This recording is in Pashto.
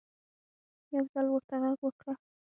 يو ځل ورته غږ وکړه